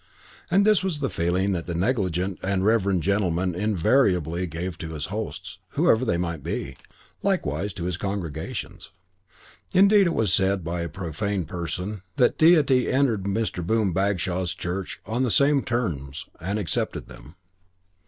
And this was the feeling that the negligent and reverend gentleman invariably gave to his hosts, whoever they might be; likewise to his congregations. Indeed it was said by a profane person (who fortunately does not enter this history) that the Deity entered Mr. Boom Bagshaw's church on the same terms, and accepted them.